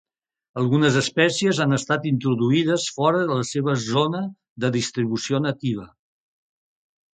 Algunes espècies han estat introduïdes fora de la seva zona de distribució nativa.